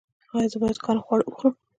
ایا زه باید ګرم خواړه وخورم؟